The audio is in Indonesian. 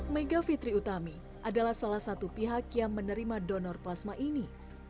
mega fitri utami adalah salah satu pihak yang menerima donor plasma ini